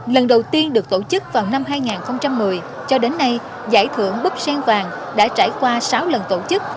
lần đầu tiên được tổ chức vào năm hai nghìn một mươi cho đến nay giải thưởng búp sen vàng đã trải qua sáu lần tổ chức